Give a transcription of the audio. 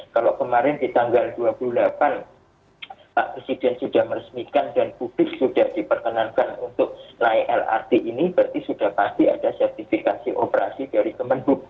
kalau kemarin di tanggal dua puluh delapan pak presiden sudah meresmikan dan publik sudah diperkenankan untuk naik lrt ini berarti sudah pasti ada sertifikasi operasi dari kemenhub